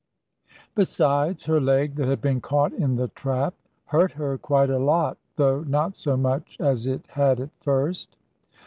Besides, her leg, that had been caught in the trap, hurt her quite a lot, though not so much as it had at first.